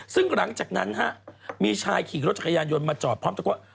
ซึ่งหลังจากนั้นมีชายขี่รถจักรยานยนต์มาจอดพร้อมตะโกน